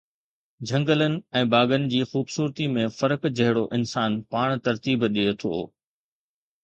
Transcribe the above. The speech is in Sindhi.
جهنگلن ۽ باغن جي خوبصورتي ۾ فرق جهڙو انسان پاڻ ترتيب ڏئي ٿو